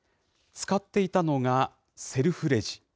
使っていたのがセルフレジ。